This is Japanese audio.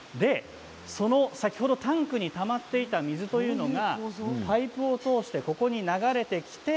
その、先ほどタンクにたまっていた水というのがパイプを通してこちらに流れ込んできて